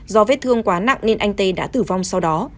do vết thương quá nặng nên anh tê đã tử vong sau đó